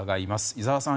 井澤さん